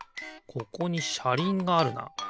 ここにしゃりんがあるな。